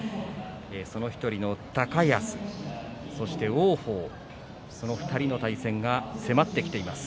その１人の高安、王鵬その２人の対戦が迫ってきています。